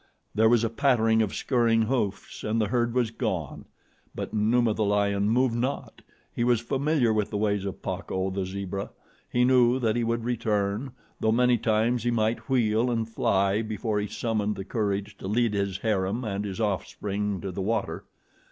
There was a pattering of scurrying hoofs and the herd was gone; but Numa, the lion, moved not. He was familiar with the ways of Pacco, the zebra. He knew that he would return, though many times he might wheel and fly before he summoned the courage to lead his harem and his offspring to the water.